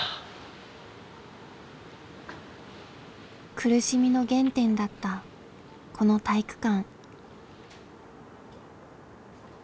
苦しみの原点だったこの体育館。